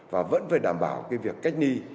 và vẫn phải đảm bảo việc cách ni